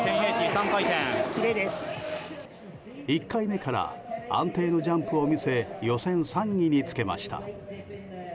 １回目から安定のジャンプを見せ予選３位につけました。